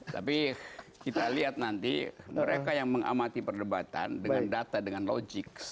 tapi kita lihat nanti mereka yang mengamati perdebatan dengan data dengan logik